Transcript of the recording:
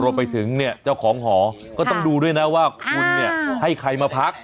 พอไปถึงเจ้าของหอก็ต้องดูด้วยนะว่าคุณให้ใครมาพัก